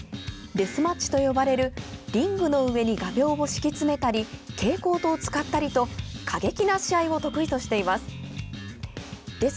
デスマッチと呼ばれるリングの上に画びょうを敷き詰めたり蛍光灯を使ったりと過激な試合を得意としています。